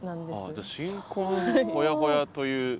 じゃあ新婚ほやほやという。